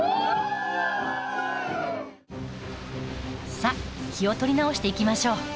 さあ気を取り直していきましょう。